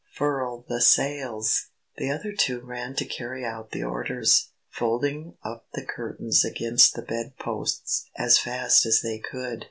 "Furl the sails!" The other two ran to carry out the orders, folding up the curtains against the bed posts as fast as they could.